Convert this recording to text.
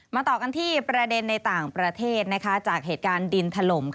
ต่อกันที่ประเด็นในต่างประเทศจากเหตุการณ์ดินถล่ม